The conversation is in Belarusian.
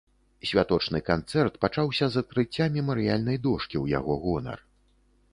Святочны канцэрт пачаўся з адкрыцця мемарыяльнай дошкі ў яго гонар.